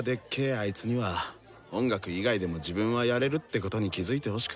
あいつには音楽以外でも自分はやれるってことに気付いてほしくてさ。